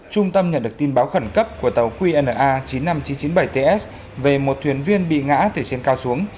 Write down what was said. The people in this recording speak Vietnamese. trung tâm nhận được tin báo khẩn cấp của tàu qna chín mươi năm nghìn chín trăm chín mươi bảy ts về một thuyền viên bị ngã từ trên cao xuống